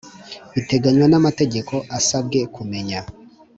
biteganywa n amategeko asabwe kumenya